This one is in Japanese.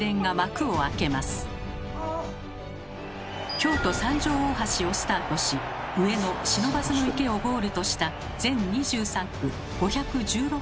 京都三条大橋をスタートし上野不忍池をゴールとした全２３区５１６ｋｍのコース。